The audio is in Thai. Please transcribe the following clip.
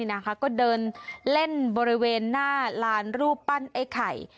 นะคะก็เดินเล่นบริเวณหน้าลานรูปปั้นไอ้ไข่